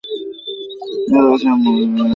কিন্তু এইবার সে মরবে, শুধু দেখে যাও।